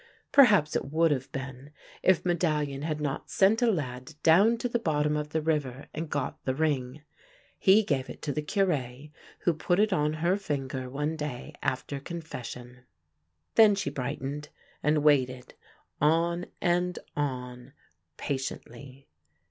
Perhaps it would have been if Medallion had not sent a lad down to the bottom of the river and got the ring. He gave it to the Cure, who put it on her finger one day after con fession. Then she brightened, and waited on and on patiently.